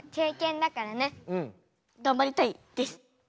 がんばりたいです！